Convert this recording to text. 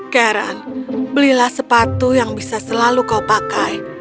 karen belilah sepatu yang bisa selalu kau pakai